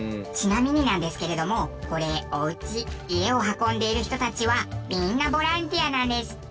ちなみになんですけれどもこれおうち家を運んでいる人たちはみんなボランティアなんです。